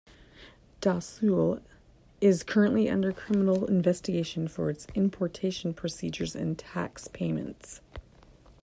Daslu is currently under criminal investigation for its importation procedures and tax payments.